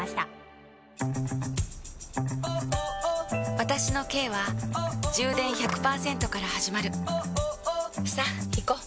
私の軽は充電 １００％ から始まるさあいこう。